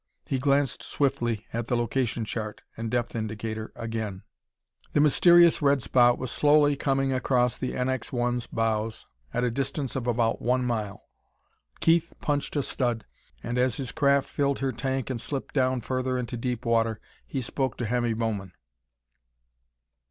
He glanced swiftly at the location chart and depth indicator again. The mysterious red spot was slowly coming across the NX 1's bows at a distance of about one mile. Keith punched a stud, and, as his craft filled her tank and slipped down further into deep water, he spoke to Hemmy Bowman.